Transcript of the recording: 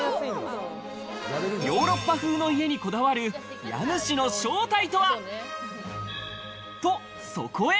ヨーロッパ風の家にこだわる家主の正体とは？と、そこへ。